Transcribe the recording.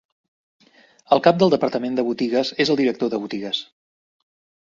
El cap del departament de botigues es el director de botigues.